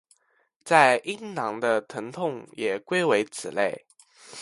在阴囊中的疼痛也归为此类。